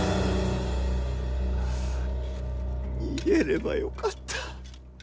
逃げればよかった。